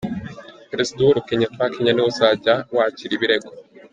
Perezida Uhuru Kenyatta wa Kenya ni we uzajya wakira ibirego.